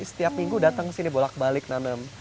setiap minggu datang sini bolak balik nanam